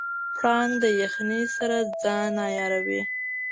پړانګ د یخنۍ سره ځان عیاروي.